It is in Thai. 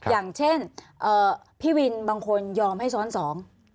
อย่างเช่นพี่วินบางคนยอมให้ซ้อนสอง